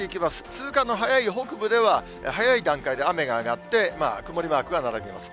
通過の早い北部では、早い段階で雨が上がって、曇りマークが並びます。